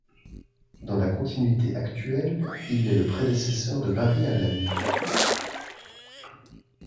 Dans la continuité actuelle, il est le prédécesseur de Barry Allen.